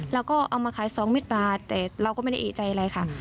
เราก็เอามาขาย๒มิตรบาทแต่เราก็ไม่ได้เอกใจอะไรค่ะ